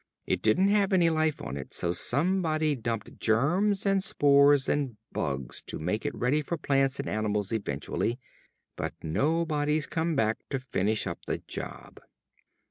It didn't have any life on it, so somebody dumped germs and spores and bugs to make it ready for plants and animals eventually. But nobody's come back to finish up the job."